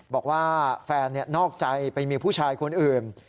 บอกว่าแฟนนอกใจไปมีผู้ชายคนอื่น